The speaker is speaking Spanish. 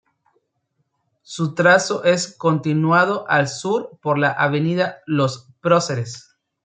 Su trazo es continuado al sur por la avenida Los Próceres.